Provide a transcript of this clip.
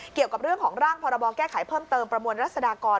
เกี่ยวกับเรื่องของร่างพรบแก้ไขเพิ่มเติมประมวลรัศดากร